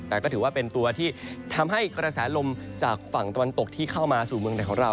แต่ก็ถือว่าเป็นตัวที่ทำให้กระแสลมจากฝั่งตะวันตกที่เข้ามาสู่เมืองไหนของเรา